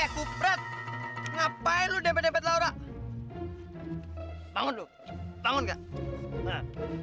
sampai jumpa di video selanjutnya